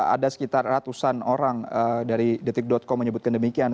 ada sekitar ratusan orang dari detik com menyebutkan demikian